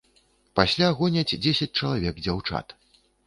Пасля гоняць дзесяць чалавек дзяўчат.